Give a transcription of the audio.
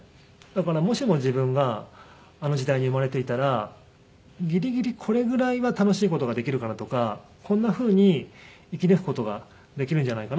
だからもしも自分があの時代に生まれていたらギリギリこれぐらいは楽しい事ができるかなとかこんなふうに生き抜く事ができるんじゃないかなみたいな。